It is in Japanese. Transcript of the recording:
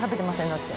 だって。